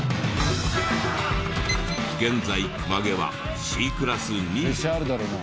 現在熊毛はＣクラス２位。